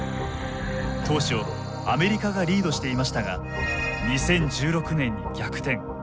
当初アメリカがリードしていましたが２０１６年に逆転。